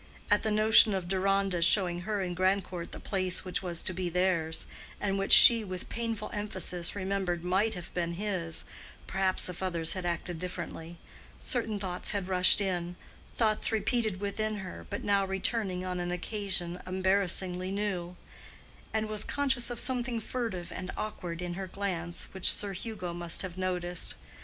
At the notion of Deronda's showing her and Grandcourt the place which was to be theirs, and which she with painful emphasis remembered might have been his (perhaps, if others had acted differently), certain thoughts had rushed in—thoughts repeated within her, but now returning on an occasion embarrassingly new; and was conscious of something furtive and awkward in her glance which Sir Hugo must have noticed.